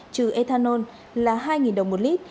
trừ ethanol là hai đồng một lít